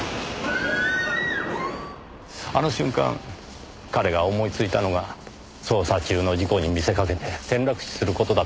あの瞬間彼が思いついたのが捜査中の事故に見せかけて転落死する事だったのでしょう。